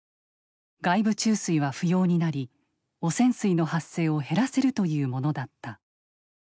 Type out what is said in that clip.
外部注水は不要になり汚染水の発生を減らせるというものだった。